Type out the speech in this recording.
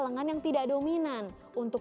lengan yang tidak dominan untuk